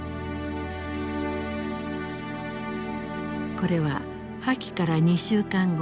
これは破棄から２週間後